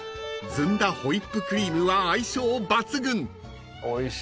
ホイップクリームは相性抜群］